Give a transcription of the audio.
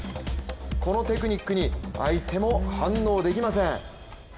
このテクニックに相手も反応できません。